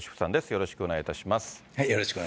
よろしくお願いします。